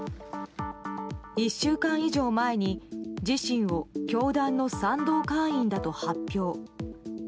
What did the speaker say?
１週間以上前に自身を教団の賛同会員だと発表。